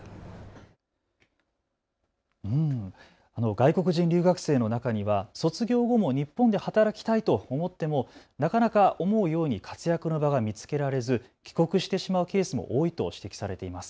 外国人留学生の中には卒業後も日本で働きたいと思ってもなかなか思うように活躍の場が見つけられず帰国してしまうケースも多いと指摘されています。